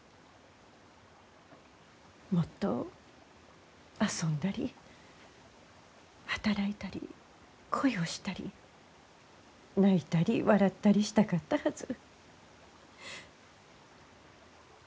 もっと遊んだり働いたり恋をしたり泣いたり笑ったりしたかったはず。